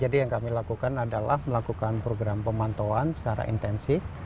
jadi yang kami lakukan adalah melakukan program pemantauan secara intensif